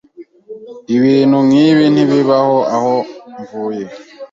Ibintu nkibi ntibibaho aho mvuye.